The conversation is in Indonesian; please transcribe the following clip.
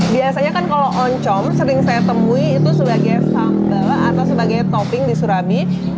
biasanya kan kalau oncom sering saya temui itu sebagai sambal atau sebagai topping di surabi